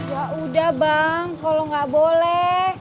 ya udah bang tolong gak boleh